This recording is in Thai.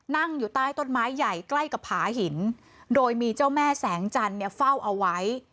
นั่งอยู่ใต้ต้นไม้ใหญ่ใกล้กับผาหินโดยมีเจ้าแม่แสงจันทร์เนี่ยเฝ้าเอาไว้